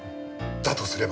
だとすれば。